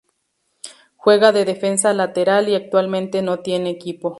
Juega de defensa lateral y actualmente no tiene equipo.